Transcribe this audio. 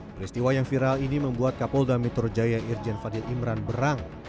peristiwa yang viral ini membuat kapolda metro jaya irjen fadil imran berang